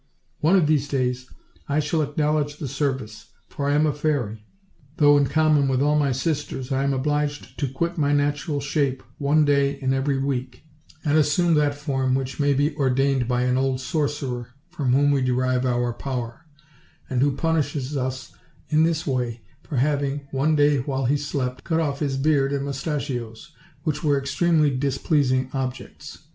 One of these days I shall acknowledge the service, for I am a fairy; though, in common with all my sisters, lam obliged to quit my natural shape one day in every week, and assume that form which may be or dained by an old sorcerer, from whom we derive our power; and who punishes us in this way for having, one day while he slept, cut off his beard and mustachios, which were extremely displeasing objects.